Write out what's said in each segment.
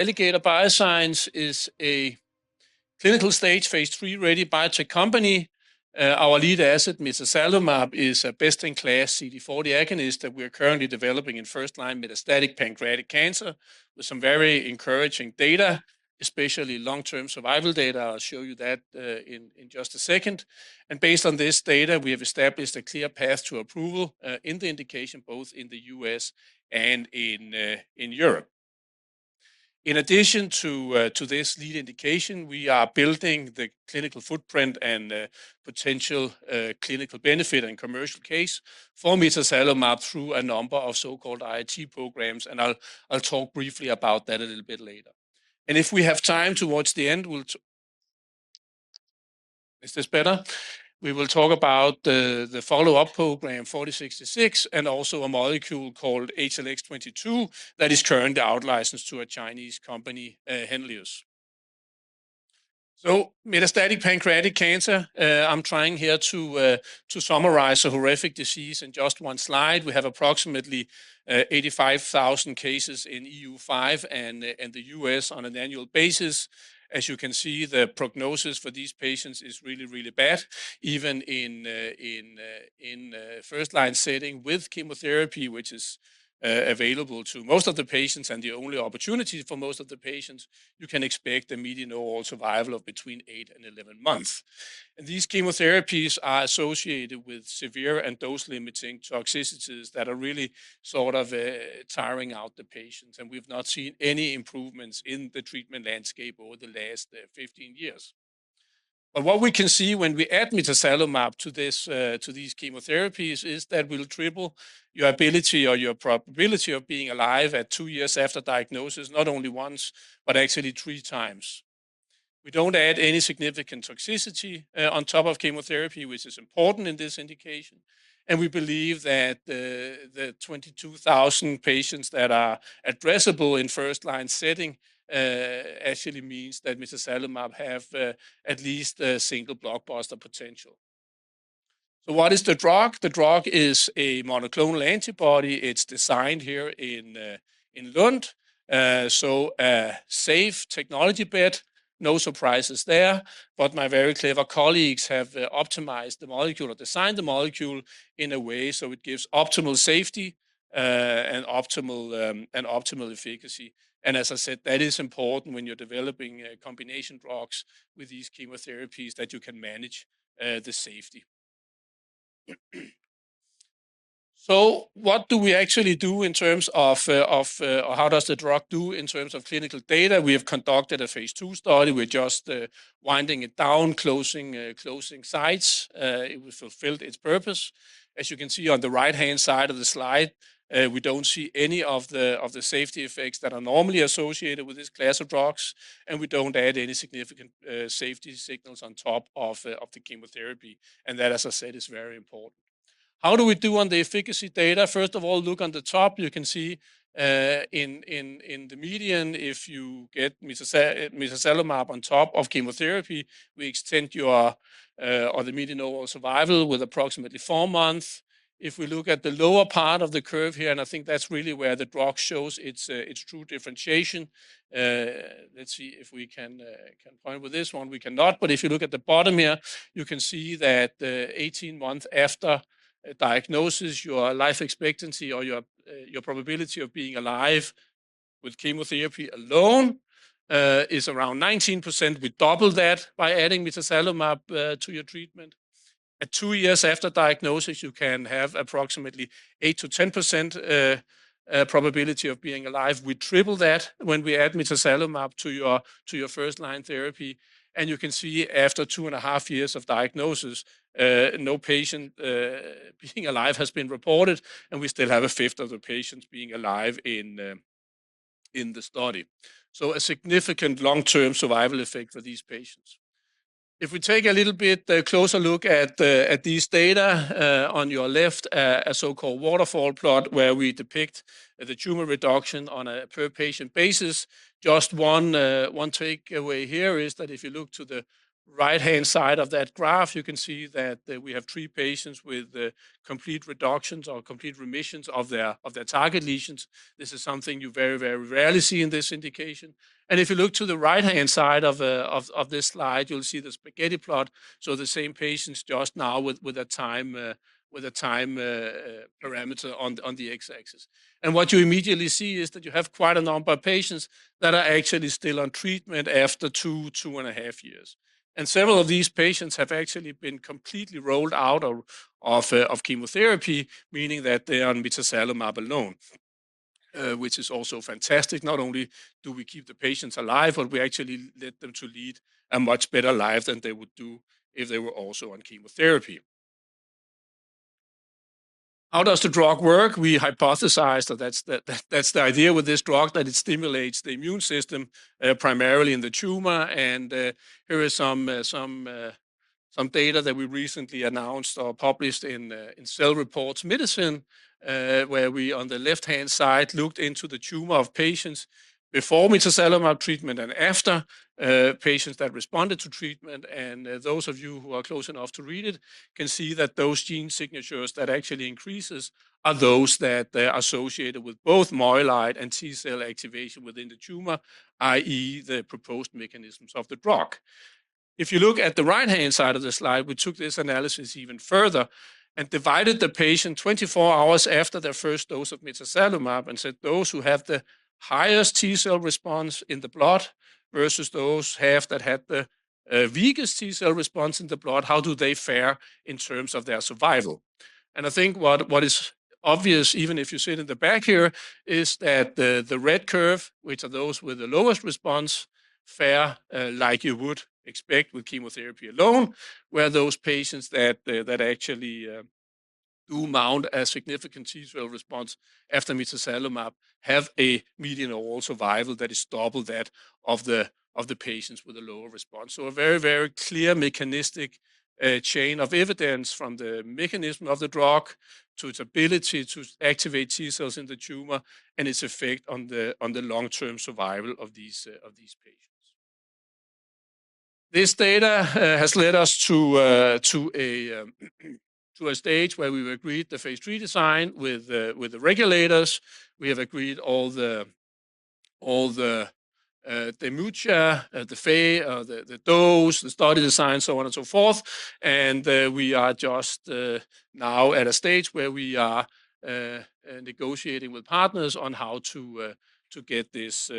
Alligator Bioscience is a clinical-stage, phase III-ready biotech company. Our lead asset, mitazalimab, is a best-in-class CD40 agonist that we are currently developing in first-line metastatic pancreatic cancer with some very encouraging data, especially long-term survival data. I'll show you that in just a second. Based on this data, we have established a clear path to approval in the indication, both in the U.S. and in Europe. In addition to this lead indication, we are building the clinical footprint and potential clinical benefit and commercial case for mitazalimab through a number of so-called IIT programs. I'll talk briefly about that a little bit later. If we have time towards the end, is this better? We will talk about the follow-up program ATOR-4066 and also a molecule called HLX-22 that is currently out-licensed to a Chinese company, Henlius. Metastatic pancreatic cancer, I'm trying here to summarize a horrific disease in just one slide. We have approximately 85,000 cases in the EU and the US on an annual basis. As you can see, the prognosis for these patients is really, really bad. Even in first-line setting with chemotherapy, which is available to most of the patients and the only opportunity for most of the patients, you can expect a median overall survival of between 8 and 11 months. These chemotherapies are associated with severe and dose-limiting toxicities that are really sort of tiring out the patients. We've not seen any improvements in the treatment landscape over the last 15 years. What we can see when we add mitazalimab to these chemotherapies is that will triple your ability or your probability of being alive at two years after diagnosis, not only once, but actually three times. We do not add any significant toxicity on top of chemotherapy, which is important in this indication. We believe that the 22,000 patients that are addressable in first-line setting actually means that mitazalimab have at least a single blockbuster potential. What is the drug? The drug is a monoclonal antibody. It is designed here in Lund. A safe technology bet, no surprises there. My very clever colleagues have optimized the molecule or designed the molecule in a way so it gives optimal safety and optimal efficacy. As I said, that is important when you are developing combination drugs with these chemotherapies that you can manage the safety. What do we actually do in terms of how does the drug do in terms of clinical data? We have conducted a phase II study. We're just winding it down, closing sites. It fulfilled its purpose. As you can see on the right-hand side of the slide, we do not see any of the safety effects that are normally associated with this class of drugs. We do not add any significant safety signals on top of the chemotherapy. That, as I said, is very important. How do we do on the efficacy data? First of all, look on the top. You can see in the median, if you get mitazalimab on top of chemotherapy, we extend your or the median overall survival with approximately four months. If we look at the lower part of the curve here, and I think that's really where the drug shows its true differentiation. Let's see if we can point with this one. We cannot. If you look at the bottom here, you can see that 18 months after diagnosis, your life expectancy or your probability of being alive with chemotherapy alone is around 19%. We double that by adding mitazalimab to your treatment. At two years after diagnosis, you can have approximately 8%-10% probability of being alive. We triple that when we add mitazalimab to your first-line therapy. You can see after two and a half years of diagnosis, no patient being alive has been reported. We still have a fifth of the patients being alive in the study. A significant long-term survival effect for these patients. If we take a little bit closer look at these data on your left, a so-called waterfall plot where we depict the tumor reduction on a per-patient basis. Just one takeaway here is that if you look to the right-hand side of that graph, you can see that we have three patients with complete reductions or complete remissions of their target lesions. This is something you very, very rarely see in this indication. If you look to the right-hand side of this slide, you'll see the spaghetti plot. The same patients just now with a time parameter on the x-axis. What you immediately see is that you have quite a number of patients that are actually still on treatment after two, two and a half years. Several of these patients have actually been completely rolled out of chemotherapy, meaning that they are on mitazalimab alone, which is also fantastic. Not only do we keep the patients alive, but we actually let them lead a much better life than they would do if they were also on chemotherapy. How does the drug work? We hypothesize that that's the idea with this drug, that it stimulates the immune system primarily in the tumor. Here is some data that we recently announced or published in Cell Reports Medicine, where we on the left-hand side looked into the tumor of patients before mitazalimab treatment and after patients that responded to treatment. Those of you who are close enough to read it can see that those gene signatures that actually increase are those that are associated with both myeloid and T cell activation within the tumor, i.e., the proposed mechanisms of the drug. If you look at the right-hand side of the slide, we took this analysis even further and divided the patient 24 hours after their first dose of mitazalimab and said, those who have the highest T cell response in the blood versus those that had the weakest T cell response in the blood, how do they fare in terms of their survival? I think what is obvious, even if you sit in the back here, is that the red curve, which are those with the lowest response, fare like you would expect with chemotherapy alone, where those patients that actually do mount a significant T cell response after mitazalimab have a median overall survival that is double that of the patients with a lower response. A very, very clear mechanistic chain of evidence from the mechanism of the drug to its ability to activate T cells in the tumor and its effect on the long-term survival of these patients. This data has led us to a stage where we've agreed the phase III design with the regulators. We have agreed all the MUCHA, the FAE, the dose, the study design, so on and so forth. We are just now at a stage where we are negotiating with partners on how to get this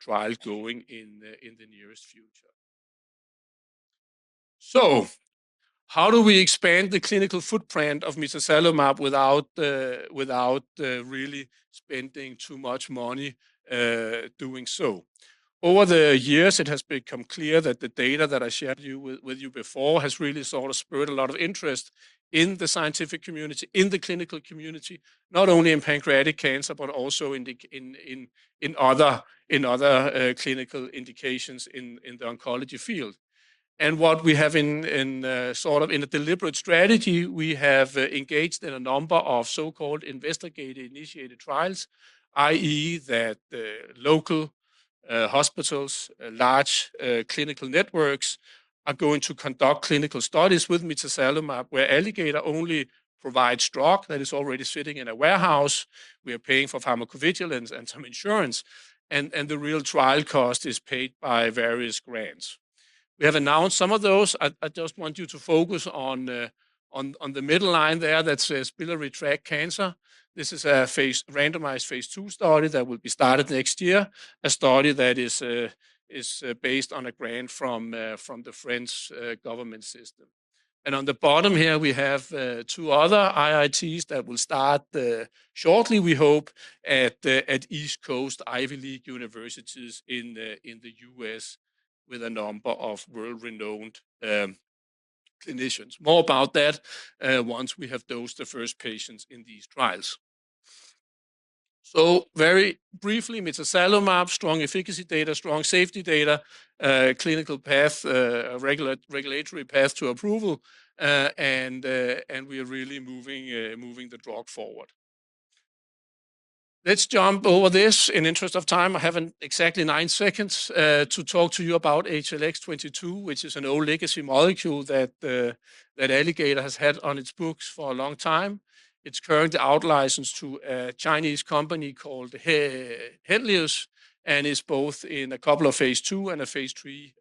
trial going in the nearest future. How do we expand the clinical footprint of mitazalimab without really spending too much money doing so? Over the years, it has become clear that the data that I shared with you before has really sort of spurred a lot of interest in the scientific community, in the clinical community, not only in pancreatic cancer, but also in other clinical indications in the oncology field. What we have in sort of a deliberate strategy, we have engaged in a number of so-called investigator-initiated trials, i.e., that local hospitals, large clinical networks are going to conduct clinical studies with mitazalimab where Alligator only provides drug that is already sitting in a warehouse. We are paying for pharmacovigilance and some insurance. The real trial cost is paid by various grants. We have announced some of those. I just want you to focus on the middle line there that says biliary tract cancer. This is a randomized phase II study that will be started next year, a study that is based on a grant from the French government system. On the bottom here, we have two other IITs that will start shortly, we hope, at East Coast Ivy League universities in the U.S. with a number of world-renowned clinicians. More about that once we have dosed the first patients in these trials. Very briefly, mitazalimab, strong efficacy data, strong safety data, clinical path, regulatory path to approval. We are really moving the drug forward. Let's jump over this. In interest of time, I have exactly nine seconds to talk to you about HLX-22, which is an old legacy molecule that Alligator has had on its books for a long time. It's currently out-licensed to a Chinese company called Henlius and is both in a couple of phase II and a phase III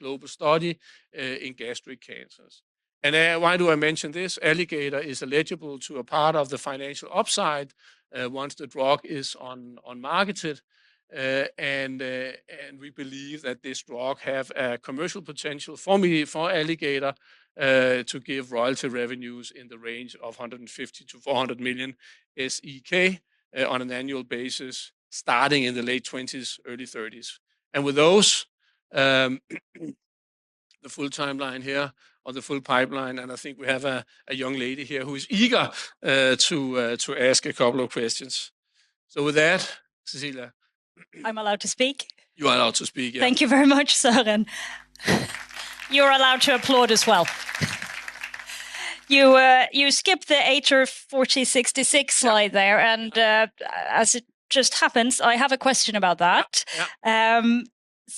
global study in gastric cancers. Why do I mention this? Alligator is eligible to a part of the financial upside once the drug is on market. We believe that this drug has a commercial potential for Alligator to give royalty revenues in the range of 150 million-400 million SEK on an annual basis starting in the late 2020s, early 2030s. With those, the full timeline here on the full pipeline. I think we have a young lady here who is eager to ask a couple of questions. With that, Cecilia. I'm allowed to speak. You are allowed to speak, yes. Thank you very much, Søren. You're allowed to applaud as well. You skipped the ATOR-4066 slide there. And as it just happens, I have a question about that.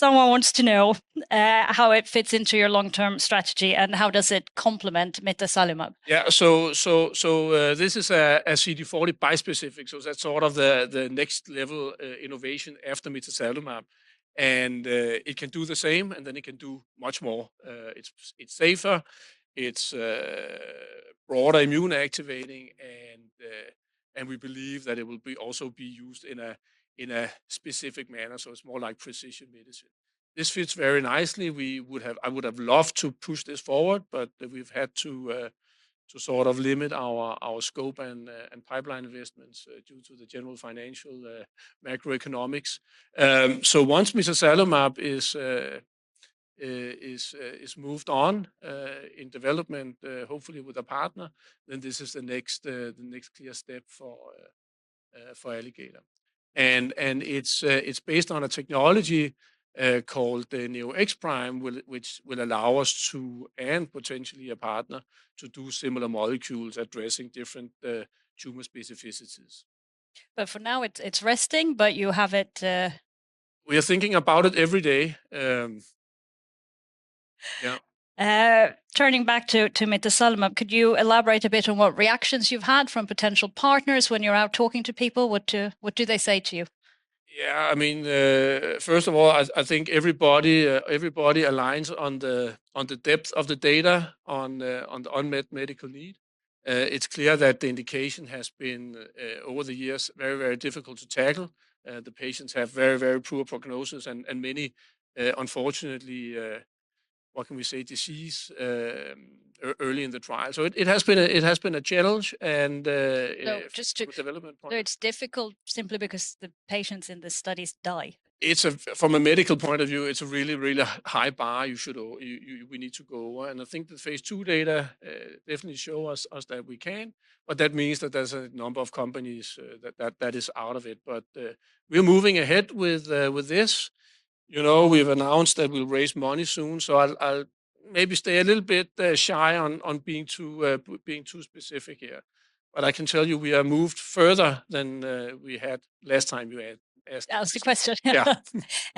Someone wants to know how it fits into your long-term strategy and how does it complement mitazalimab. Yeah. This is a CD40 bispecific. That is sort of the next-level innovation after mitazalimab. It can do the same, and then it can do much more. It is safer. It is broader immune activating. We believe that it will also be used in a specific manner. It is more like precision medicine. This fits very nicely. I would have loved to push this forward, but we have had to sort of limit our scope and pipeline investments due to the general financial macroeconomics. Once mitazalimab is moved on in development, hopefully with a partner, this is the next clear step for Alligator. It is based on a technology called Neo-X-Prime, which will allow us, and potentially a partner, to do similar molecules addressing different tumor specificities. For now, it's resting, but you have it. We are thinking about it every day. Yeah. Turning back to mitazalimab, could you elaborate a bit on what reactions you've had from potential partners when you're out talking to people? What do they say to you? Yeah. I mean, first of all, I think everybody aligns on the depth of the data on the unmet medical need. It's clear that the indication has been, over the years, very, very difficult to tackle. The patients have very, very poor prognosis and many, unfortunately, what can we say, disease early in the trial. It has been a challenge. No, just to. Development point. No, it's difficult simply because the patients in the studies die. From a medical point of view, it's a really, really high bar we need to go over. I think the phase II data definitely show us that we can. That means that there's a number of companies that is out of it. We're moving ahead with this. We've announced that we'll raise money soon. I'll maybe stay a little bit shy on being too specific here. I can tell you we are moved further than we had last time you asked the question. Yeah.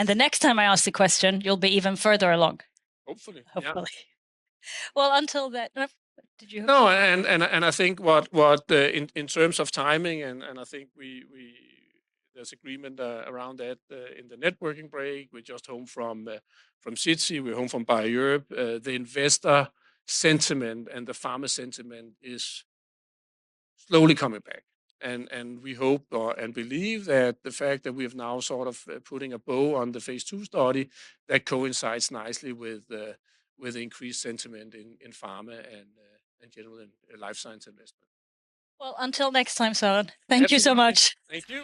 The next time I ask the question, you'll be even further along. Hopefully. Hopefully. Until then, did you? No. I think in terms of timing, and I think there's agreement around that in the networking break. We're just home from SITSI. We're home from BioEurope. The investor sentiment and the pharma sentiment is slowly coming back. We hope and believe that the fact that we have now sort of putting a bow on the phase II study coincides nicely with increased sentiment in pharma and general life science investment. Until next time, Søren. Thank you so much. Thank you.